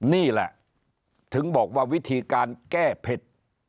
นี่แหละถึงบอกว่าวิธีการแก้เผ็ด